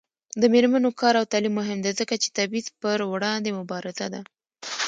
د میرمنو کار او تعلیم مهم دی ځکه چې تبعیض پر وړاندې مبارزه ده.